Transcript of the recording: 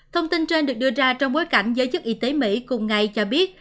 thông tin trên được đưa ra trong bối cảnh giới chức y tế mỹ cùng ngày cho biết